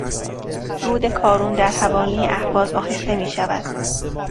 رود کارون در حوالی اهواز آهسته میشود.